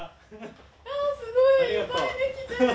ああすごいいっぱいできてる！